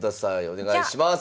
お願いします。